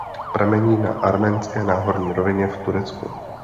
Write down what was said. Pramení na Arménské náhorní rovině v "Turecku".